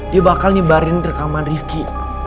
dia bakal nyebarin rekaman rizki